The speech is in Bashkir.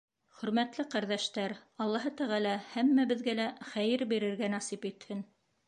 Хөрмәтле ҡәрҙәштәр, Аллаһ Тәғәлә һәммәбеҙгә лә хәйер бирергә насип итһен.